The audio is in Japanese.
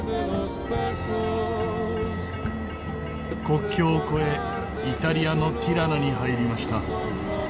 国境を越えイタリアのティラノに入りました。